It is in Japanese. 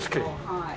はい。